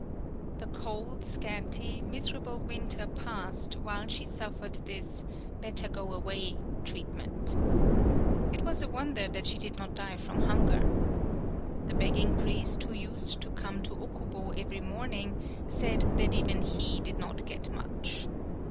The cold, scanty, miserable winter passed while she suffered this "better go away" treatment. It was a wonder that she did not die from hunger. The beg ging priest who used to come to Okubo every morning said that even he did not get much.